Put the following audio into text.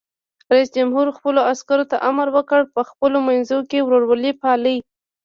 رئیس جمهور خپلو عسکرو ته امر وکړ؛ په خپلو منځو کې ورورولي پالئ!